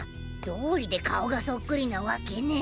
どうりでかおがそっくりなわけね。